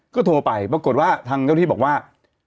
ก็โทรไปปรากฏว่าทางเจ้าที่บอกว่า